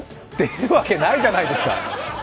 出るわけないじゃないですか！